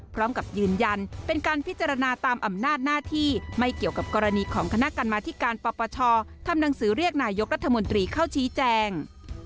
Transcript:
พร้อมกับยืนยันเป็นการพิจารณาตามอำนาจหน้าที่ไม่เกี่ยวกับกรณีของคณะกรรมธิการปปชทำหนังสือเรียกนายกรัฐมนตรีเข้าชี้แจง